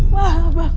maaf bangun pak